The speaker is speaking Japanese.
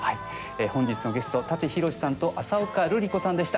本日のゲスト舘ひろしさんと浅丘ルリ子さんでした。